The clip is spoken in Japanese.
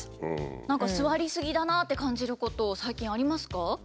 何か座りすぎだなって感じること最近ありますか？